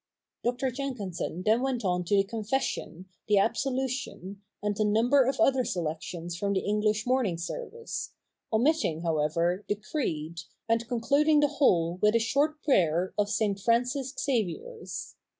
' Dr. Jenkinson then went on to the Confession, the Absolution, and a number of other selections from the English morning service, omitting, however, the creed, and concluding the whole with a short prayer of St. Francis Xavier's.